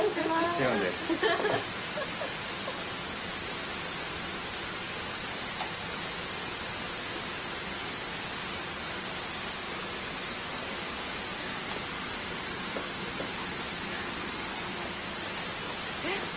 もちろんです。え？